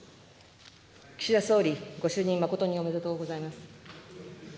岸田総理、ご就任、誠におめでとうございます。